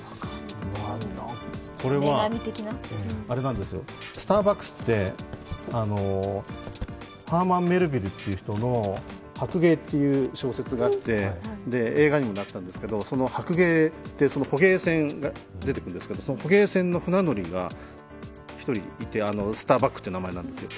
これはスターバックスってハーマン・メルヴィルっていう人の「白鯨」という小説があって映画にもなったんですけれども、その「白鯨」で捕鯨船が出てくるんですけど、捕鯨船の船乗りが１人いてスターバックという名前なんです。